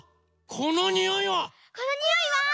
このにおいは？